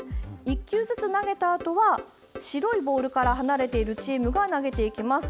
１球ずつ投げたあとは白いボールから離れているチームが投げていきます。